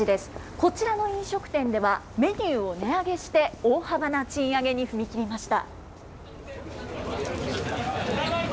こちらの飲食店では、メニューを値上げして大幅な賃上げに踏み切りました。